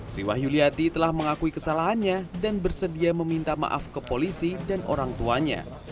sri wahyuliati telah mengakui kesalahannya dan bersedia meminta maaf ke polisi dan orang tuanya